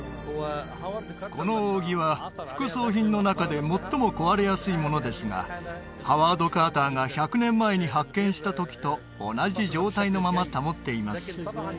この扇は副葬品の中で最も壊れやすいものですがハワード・カーターが１００年前に発見した時と同じ状態のまま保っています